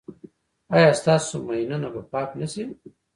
ایا ستاسو ماینونه به پاک نه شي؟